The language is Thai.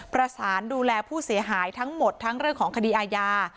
ประสานดูแลผู้เสียหายทั้งหมดทั้งเรื่องของคดีอาญา